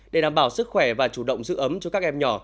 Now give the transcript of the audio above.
để đảm bảo sức khỏe và chủ động giữ ấm cho các em nhỏ